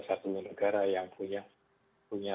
satu negara yang punya